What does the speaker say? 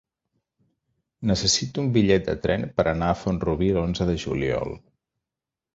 Necessito un bitllet de tren per anar a Font-rubí l'onze de juliol.